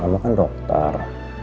kamu kan dokter